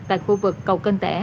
tại khu vực cầu kênh tẻ